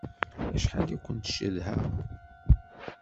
Acḥal i kent-cedhaɣ!